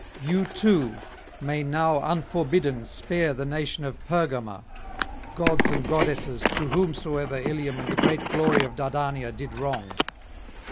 You too may now unforbidden spare the nation of Pergama, gods and goddesses to whomsoever Ilium and the great glory of Dardania did wrong.